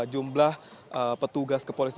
jumlah petugas kepolisian